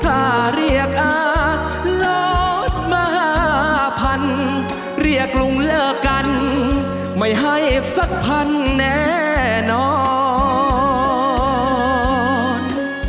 ถ้าเรียกอาลดมหาพันเรียกลุงเลิกกันไม่ให้สักพันแน่นอน